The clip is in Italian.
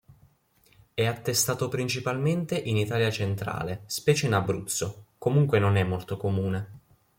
È attestato principalmente in Italia centrale, specie in Abruzzo, comunque non è molto comune.